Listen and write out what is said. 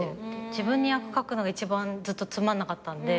自分に役書くのが一番ずっとつまんなかったんで。